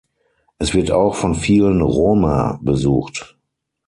Es wird auch von vielen Roma besucht.